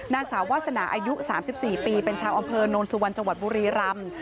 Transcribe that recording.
นาสาววาสนาอายุ๓๔ปีเป็นชาวอำเภอนนท์สู่วันจบุรีรำ